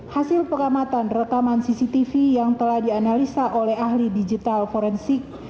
hasil pengamatan rekaman cctv yang telah dianalisa oleh ahli digital forensik